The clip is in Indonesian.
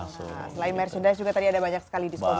selain merchandise juga tadi ada banyak sekali diskon diskon